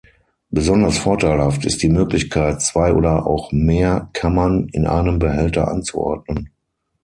Besonders vorteilhaft ist die Möglichkeit, zwei oder auch mehr Kammern in einem Behälter anzuordnen.